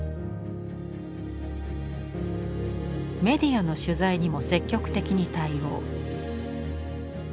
メディアの取材にも積極的に対応。